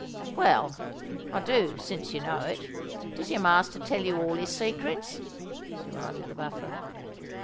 "Well—I do, since you know it. Does your master tell you all his secrets?" demanded the Buffer.